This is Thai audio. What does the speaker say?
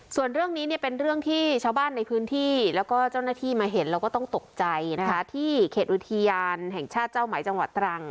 ส่วนเรื่องนี้เนี่ยเป็นเรื่องที่ชาวบ้านในพื้นที่แล้วก็เจ้าหน้าที่มาเห็นเราก็ต้องตกใจนะคะที่เขตอุทยานแห่งชาติเจ้าไหมจังหวัดตรัง